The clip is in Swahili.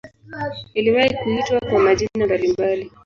Iliwahi kuitwa kwa majina mbalimbali.